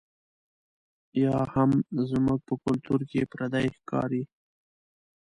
یا هم زموږ په کلتور کې پردۍ ښکاري.